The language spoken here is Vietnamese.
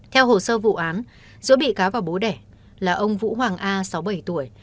theo hồ sơ vụ án giữa bị cá và bố đẻ là ông vũ hoàng a sáu bảy tuổi